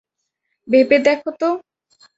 ভেবে দেখো তো?